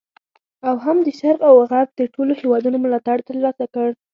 او هم د شرق او غرب د ټولو هیوادونو ملاتړ تر لاسه کړ.